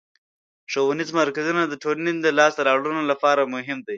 ښوونیز مرکزونه د ټولنې د لاسته راوړنو لپاره مهم دي.